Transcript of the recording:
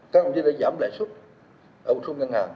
các ngân hàng chỉ để giảm lãi chốt ở một số ngân hàng